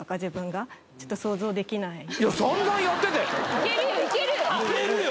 いけるよいけるいけるよ・